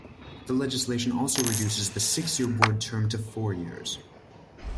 The legislation also reduces the six-year Board term to four years.